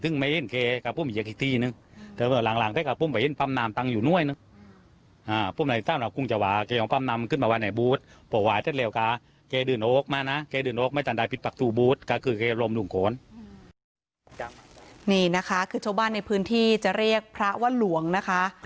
นี่นะคะคือชาวบ้านในพื้นที่จะเรียกพระว่าหลวงนะคะ